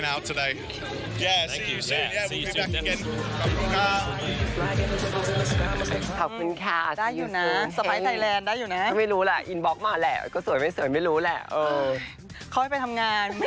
ขอบคุณค่ะพบกันกันอีกครั้ง